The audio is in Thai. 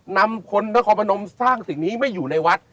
นำคนนคอนพระพระนมทร์สร้างสิ่งนี้ไม่อยู่ในวัด